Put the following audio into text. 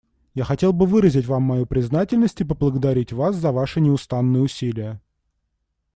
Я хотел бы выразить Вам мою признательность и поблагодарить Вас за Ваши неустанные усилия.